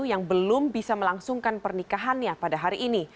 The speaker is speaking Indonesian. yang belum bisa melangsungkan pernikahannya pada hari ini